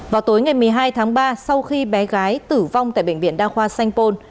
vào tối ngày một mươi hai tháng ba sau khi bé gái tử vong tại bệnh viện đa khoa sanh pôn